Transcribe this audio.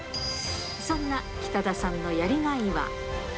そんな北田さんのやりがいは？